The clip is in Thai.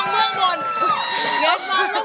แงลมองเมืองบนประมาณไหน